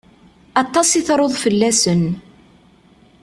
Aṭas i truḍ fell-asen.